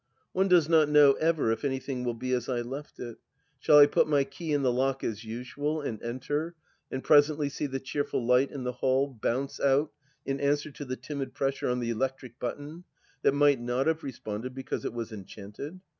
... One does not know ever if anything will be as I left it ? Shall I put my key in the lock as usual, and enter, and presently see the cheerful light in the hall bounce out in answer to the timid pressure on the electric button that might not have responded because it was enchanted